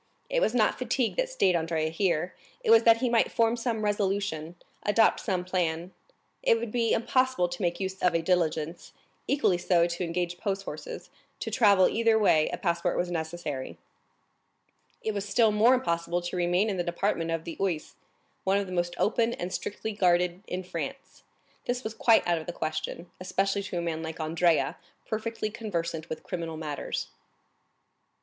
It was not fatigue that stayed Andrea here; it was that he might form some resolution, adopt some plan. It would be impossible to make use of a diligence, equally so to engage post horses; to travel either way a passport was necessary. It was still more impossible to remain in the department of the Oise, one of the most open and strictly guarded in France; this was quite out of the question, especially to a man like Andrea, perfectly conversant with criminal matters.